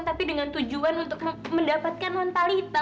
tapi dengan tujuan untuk mendapatkan tuan talita